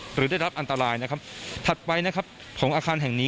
หรือได้รับอันตรายถัดไปของอาคารแห่งนี้